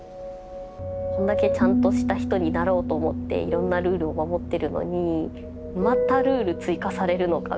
こんだけちゃんとした人になろうと思っていろんなルールを守ってるのにまたルール追加されるのか！